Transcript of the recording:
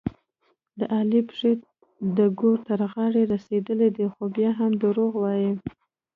د علي پښې د ګور تر غاړې رسېدلې دي، خو بیا هم دروغ وايي.